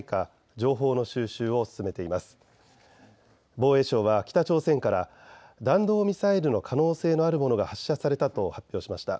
防衛省は北朝鮮から弾道ミサイルの可能性のあるものが発射されたと発表しました。